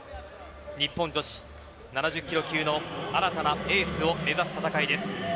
日本女子７０キロ級の新たなエースを目指す戦いです。